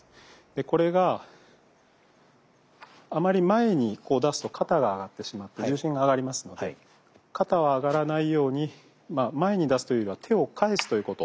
でこれがあまり前にこう出すと肩が上がってしまって重心が上がりますので肩は上がらないように前に出すというよりは手を返すということ。